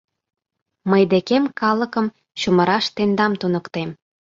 — Мый декем калыкым чумыраш тендам туныктем!